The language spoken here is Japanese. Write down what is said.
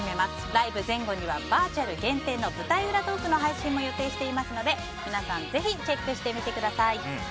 ライブ前後にはバーチャル限定の舞台裏トークの配信も予定していますので皆さんぜひチェックしてみてください。